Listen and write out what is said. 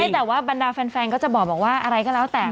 แต่ว่าบรรดาแฟนก็จะบอกว่าอะไรก็แล้วแต่